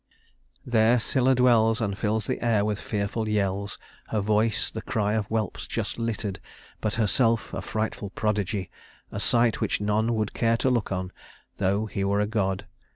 "There Scylla dwells, And fills the air with fearful yells; her voice The cry of whelps just littered, but herself A frightful prodigy a sight which none Would care to look on, though he were a god.